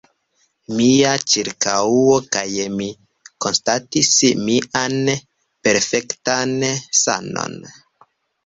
Mia ĉirkaŭo kaj mi konstatis mian perfektan sanon.